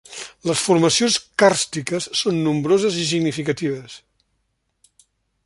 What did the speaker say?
Les formacions càrstiques són nombroses i significatives.